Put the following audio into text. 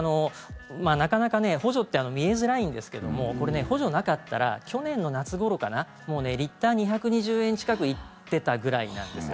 なかなか補助って見えづらいんですが補助がなかったら去年の夏ごろリッター２２０円ぐらいいってたぐらいなんです。